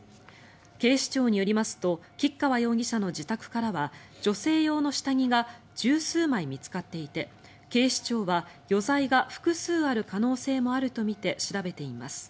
警視庁によりますと吉川容疑者の自宅からは女性用の下着が１０数枚見つかっていて警視庁は余罪が複数ある可能性もあるとみて調べています。